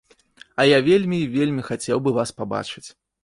А я вельмі і вельмі хацеў бы вас пабачыць.